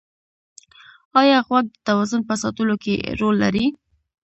ایا غوږ د توازن په ساتلو کې رول لري؟